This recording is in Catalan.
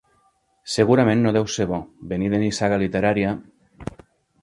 Segurament no deu ser bo, venir de nissaga literària...